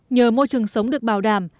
nhờ môi trường sống được bảo đảm